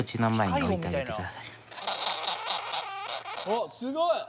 おっすごい。